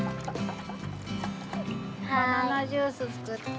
バナナジュースつくって。